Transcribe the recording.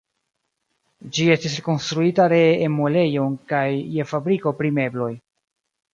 Ĝi estis rekonstruita ree en muelejon kaj je fabriko pri mebloj.